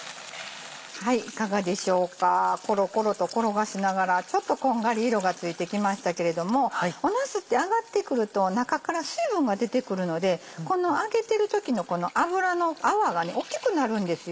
いかがでしょうかコロコロと転がしながらちょっとこんがり色がついてきましたけれどもなすって揚がってくると中から水分が出てくるので揚げてる時の油の泡が大きくなるんですよ。